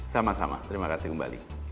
sama sama terima kasih kembali